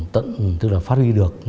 tận tức là phát huy được